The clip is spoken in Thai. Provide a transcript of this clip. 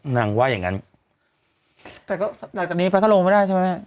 นางว่าอย่างงั้นแต่ก็หลังจากนี้พัทธลงไม่ได้ใช่ไหม